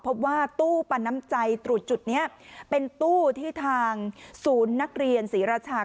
พบว่าตู้ปันน้ำใจตรวจจุดนี้เป็นตู้ที่ทางศูนย์นักเรียนศรีราชา